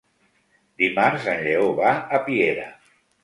Dimarts en Lleó va a Piera.